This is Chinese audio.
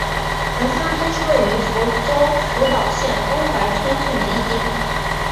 棚仓町是位于福岛县东白川郡的一町。